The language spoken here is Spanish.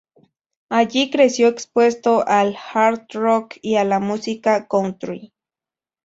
Allí creció expuesto al "hard rock" y a la música "country".